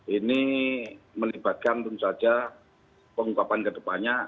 ini melibatkan tentu saja pengungkapan kedepannya